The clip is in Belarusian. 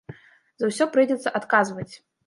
За ўсе прыйдзецца адказваць.